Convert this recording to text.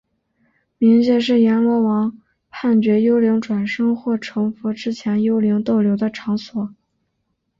冥界是阎罗王判决幽灵转生或成佛之前幽灵逗留的场所。